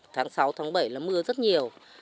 tháng sáu tháng bảy là mưa rất nhiều